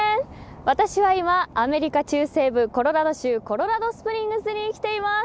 私は今アメリカ中西部コロラド州コロラドスプリングスに来ています。